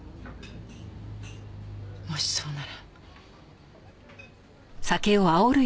もしそうなら。